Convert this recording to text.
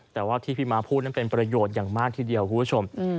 แต่ว่าที่พี่ม้าพูดนั้นน่ะเป็นประโยชน์อยู่อย่างมากทั้งสองทุกคน